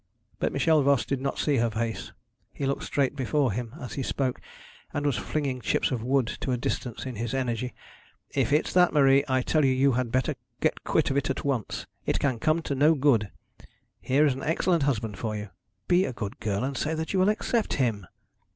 But Michel Voss did not see her face. He looked straight before him as he spoke, and was flinging chips of wood to a distance in his energy. 'If it's that, Marie, I tell you you had better get quit of it at once. It can come to no good. Here is an excellent husband for you. Be a good girl, and say that you will accept him.'